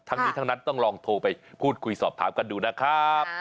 ทั้งนี้ทั้งนั้นต้องลองโทรไปพูดคุยสอบถามกันดูนะครับ